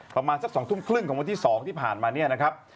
ประมาณสัก๒ทุ่มครึ่งของวันที่๒ที่ผ่านมาเนี่ยนะครับ